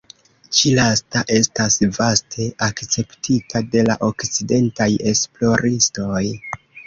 Ĉi-lasta estas vaste akceptita de la okcidentaj esploristoj.